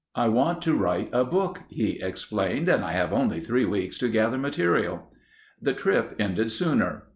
"I want to write a book," he explained, "and I have only three weeks to gather material." The trip ended sooner.